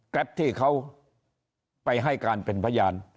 แป๊ปที่เขาไปให้การเป็นพยาน